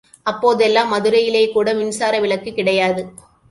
அப்போதெல்லாம் மதுரையிலேயே கூட மின்சார விளக்கு கிடையாது.